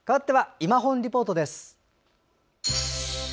「いまほんリポート」。